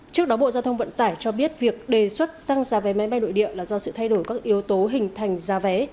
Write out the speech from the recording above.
trước đó bộ giao thông vận tải cho biết việc đề xuất tăng giá vé máy bay nội địa là do sự thay đổi các yếu tố hình thành giá vé